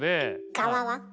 側は？